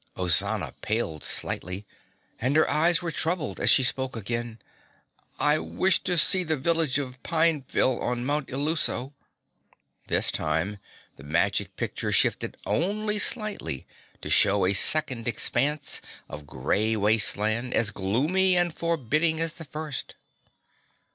Ozana paled slightly and her eyes were troubled as she spoke again, "I wish to see the Village of Pineville on Mount Illuso." This time the Magic Picture shifted only slightly to show a second expanse of grey wasteland as gloomy and forbidding as the first.